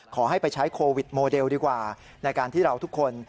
ขอให้ไปใช้โควิดโมเดลดีกว่าในการที่เราทุกคน